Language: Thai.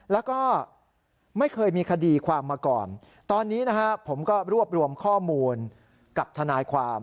แล้วก็ไม่เคยมีคดีความมาก่อนตอนนี้นะฮะผมก็รวบรวมข้อมูลกับทนายความ